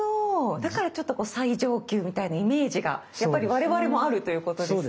だからちょっとこう最上級みたいなイメージがやっぱり我々もあるということですね。